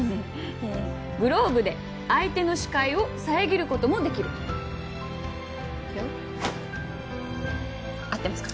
「グローブで相手の視界を遮ることもできる」合ってますか？